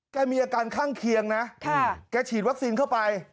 แกมีอาการข้างเคียงนะแกฉีดวัคซีนเข้าไป